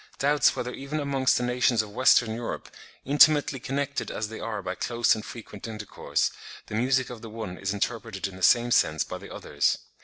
"doubts whether even amongst the nations of Western Europe, intimately connected as they are by close and frequent intercourse, the music of the one is interpreted in the same sense by the others.